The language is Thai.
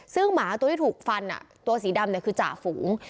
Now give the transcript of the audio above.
ซึ่งหมาตัวที่ถูกฟันตัวสีดำคือจ่าฝูง